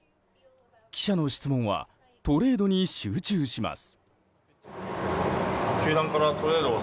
記者の質問はトレードに集中します。